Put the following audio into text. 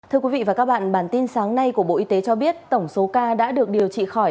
thưa quý vị và các bạn bản tin sáng nay của bộ y tế cho biết tổng số ca đã được điều trị khỏi